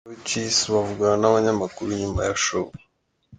Lil Key na musaza we Chis bavugana n'abanyamakuru nyuma ya show.